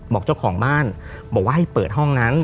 บอกเจ้าของบ้านบอกว่าให้เปิดห้องนั้น